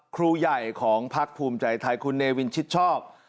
ครูใหญ่ของพักภูมิใจไทยคุณเนวินชิดชอบ